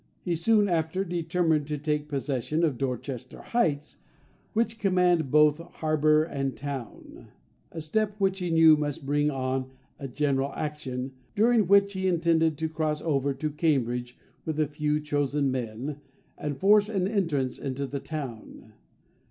He soon after determined to take possession of Dorchester Heights, which command both harbour and town,—a step which he knew must bring on a general action, during which he intended to cross over to Cambridge with a few chosen men, and force an entrance into the town.